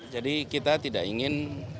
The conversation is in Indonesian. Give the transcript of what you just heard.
jadi kita tidak ingin